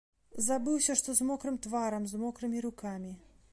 Забыўся, што з мокрым тварам, з мокрымі рукамі.